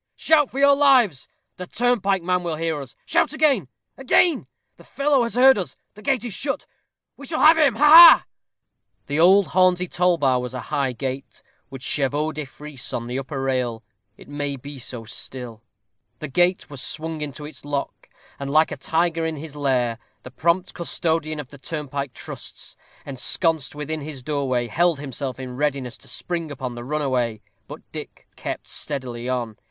"Shout for your lives. The turnpike man will hear us. Shout again again! The fellow has heard it. The gate is shut. We have him. Ha, ha!" The old Hornsey toll bar was a high gate, with chevaux de frise on the upper rail. It may be so still. The gate was swung into its lock, and, like a tiger in his lair, the prompt custodian of the turnpike trusts, ensconced within his doorway, held himself in readiness to spring upon the runaway. But Dick kept steadily on.